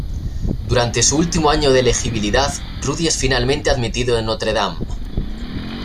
Durante su último año de elegibilidad, Rudy es finalmente admitido en Notre Dame.